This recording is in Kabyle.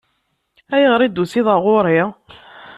Ayɣer i d-tusiḍ ɣur-i?